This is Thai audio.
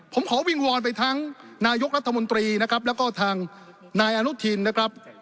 ผมขอวิงวอนไปทั้งนายกรัฐมนตรีนะครับแล้วก็ทางนายอนุทินนะครับ